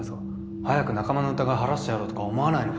早く仲間の疑い晴らしてやろうとか思わないのか。